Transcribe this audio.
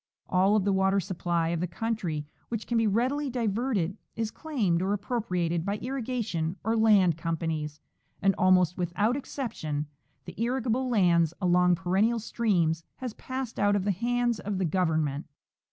All of the Avater supply of the country which caii be readily diverted is claimed or appropriated by irrigation or land companies, and almost without excep tion the irrigable lands along perennial streams has passed out of the hands of the Government.